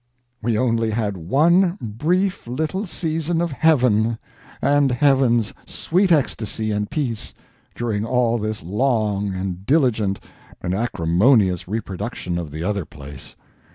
We only had one brief little season of heaven and heaven's sweet ecstasy and peace during all this long and diligent and acrimonious reproduction of the other place.